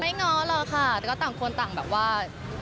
ง้อหรอกค่ะแต่ก็ต่างคนต่างแบบว่า